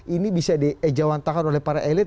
ini bisa di ejawantakan oleh para elit